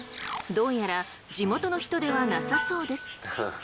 どうやら地元の人ではなさそうです。